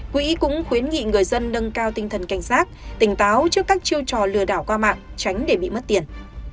quỹ cũng khuyến nghị người dân nâng cao tinh thần cảnh giác tỉnh táo trước các chiêu trò lừa đảo qua mạng tránh để bị mất tiền